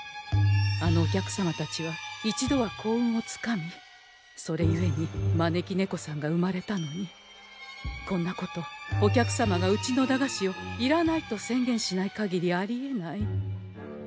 あのお客様たちは一度は幸運をつかみそれゆえに招き猫さんが生まれたのにこんなことお客様がうちの駄菓子を「いらない！」と宣言しないかぎりありえない。